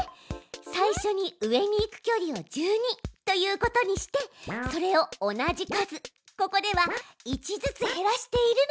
最初に上に行く距離を１２ということにしてそれを同じ数ここでは１ずつ減らしているのよ。